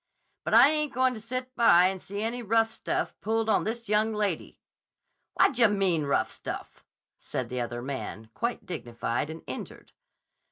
'But I ain't goin' to sit by and see any rough stuff pulled on this young lady.' 'Whad dye mean, rough stuff?' said the other man, quite dignified and injured.